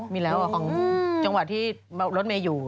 มีแล้วของจังหวะที่รถเมย์อยู่